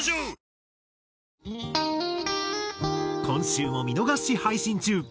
今週も見逃し配信中。